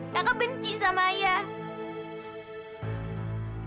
kakak benci sama ayah